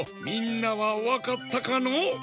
みんなはわかったかの？